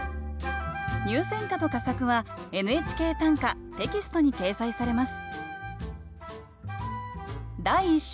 入選歌と佳作は「ＮＨＫ短歌」テキストに掲載されます